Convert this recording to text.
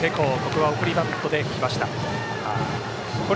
ここは送りバントできました。